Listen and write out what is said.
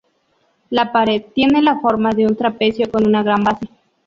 La pared tiene la forma de un trapecio con una gran base.